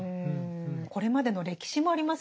これまでの歴史もありますよね。